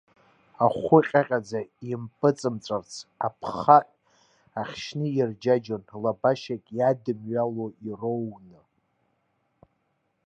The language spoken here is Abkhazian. Ахәы ҟьаҟьаӡа, импыҵымҵәраарц аԥхаҳә ахьшьны ирџьаџьон, лабашьак иаадымҩыло ироууан.